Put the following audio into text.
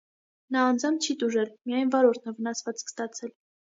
Նա անձամբ չի տուժել, միայն վարորդն է վնասվածք ստացել։